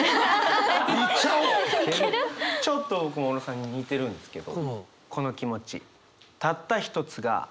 ちょっと僕も小野さんに似てるんですけど。